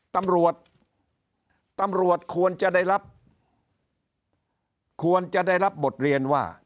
ตำรวจตำรวจควรจะได้รับควรจะได้รับบทเรียนว่า